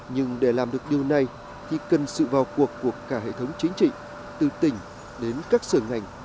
nhưng để làm được điều này thì cần sự vào cuộc của cả hệ thống chính trị từ tỉnh đến các sở ngành